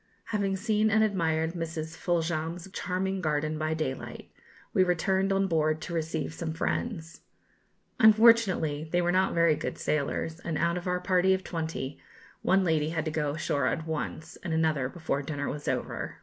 Having seen and admired Mrs. Foljambe's charming garden by daylight, we returned on board to receive some friends. Unfortunately they were not very good sailors, and, out of our party of twenty, one lady had to go ashore at once, and another before dinner was over.